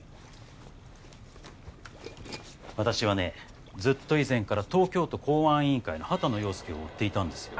私はねずっと以前から東京都公安委員会の波多野陽介を追っていたんですよ。